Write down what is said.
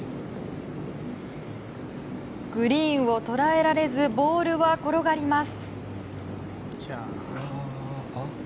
グリーンを捉えられずボールは転がります。